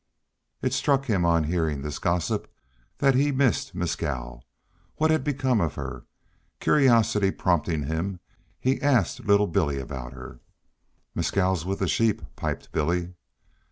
It struck him on hearing this gossip that he had missed Mescal. What had become of her? Curiosity prompting him, he asked little Billy about her. "Mescal's with the sheep," piped Billy.